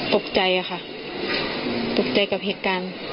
ตกใจค่ะตกใจกับเหตุการณ์